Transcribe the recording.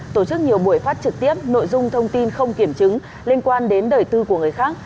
tổ chức nhiều buổi phát trực tiếp nội dung thông tin không kiểm chứng liên quan đến đời tư của người khác